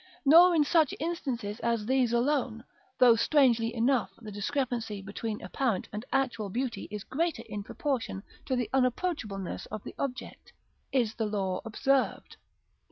Nor in such instances as these alone, though strangely enough, the discrepancy between apparent and actual beauty is greater in proportion to the unapproachableness of the object, is the law observed.